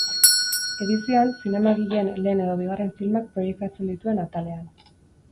Edizioan, zinemagileen lehen edo bigarren filmak proiektatzen dituen atalean.